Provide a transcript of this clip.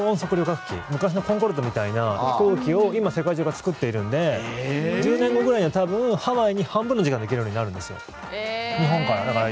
昔のコンコルドみたいな飛行機を今、世界中が作っているので１０年後くらいには日本からハワイに半分の時間で行けるようになるんですよ。